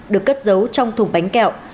được cất giấu trong thùng bánh kẹo